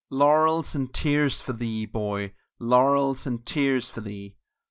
VI Laurels and tears for thee, boy, Laurels and tears for thee!